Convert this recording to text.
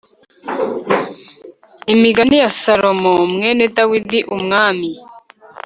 Imigani ya Salomo mwene Dawidi umwami